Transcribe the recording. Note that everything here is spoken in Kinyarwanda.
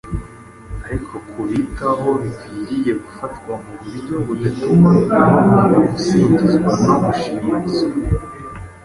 ariko kubitaho bikwiriye gufatwa mu buryo budatuma bakunda gusingizwa no gushimagizwa.